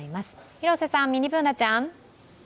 広瀬さん、ミニＢｏｏｎａちゃん。